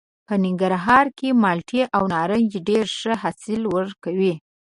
په ننګرهار کې مالټې او نارنج ډېر ښه حاصل ورکوي.